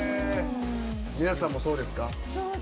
皆さんもそうですか？